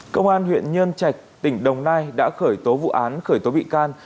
công an huyện nhân trạch tỉnh đồng nai đã khởi tố vụ án khởi tố bị can